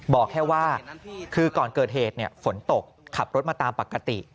บอกแค่ว่าคือก่อนเกิดเหตุฝนตกขับรถมาตามปกติ